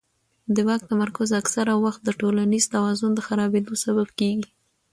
د واک تمرکز اکثره وخت د ټولنیز توازن د خرابېدو سبب کېږي